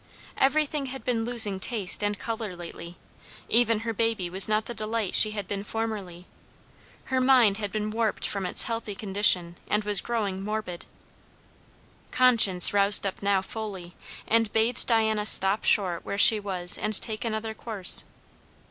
Everything had been losing taste and colour lately; even her baby was not the delight she had been formerly. Her mind had been warped from its healthy condition, and was growing morbid. Conscience roused up now fully, and bade Diana stop short where she was and take another course.